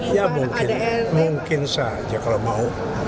ya mungkin mungkin saja kalau mau